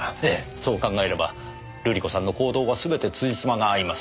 そう考えれば瑠璃子さんの行動は全てつじつまが合います。